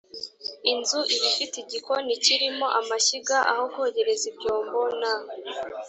inzu iba ifite igikoni kirimo amashyiga aho kogereza ibyombo na